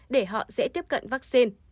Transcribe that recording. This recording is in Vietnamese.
để họ dễ tiếp cận vaccine